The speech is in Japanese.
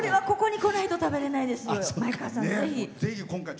これはここにこないと食べられないです。